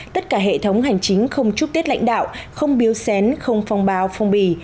tất cả hệ thống hành chính không trúc tết lãnh đạo không biếu xén không phong bào phong bì